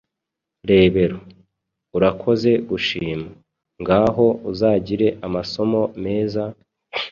Rebero: Urakoze gushima. Ngaho uzagire amasomo meza,